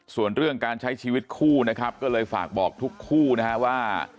ส่วนเรื่องการใช้ชีวิตคู่นะครับก็เลยฝากบอกทุกคู่นะฮะว่า